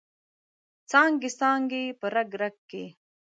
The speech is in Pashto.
څانګې، څانګې په رګ، رګ کې